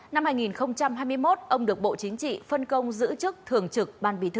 năm hai nghìn hai mươi một ông được bộ chính trị phân công giữ chức thường trực ban bí thư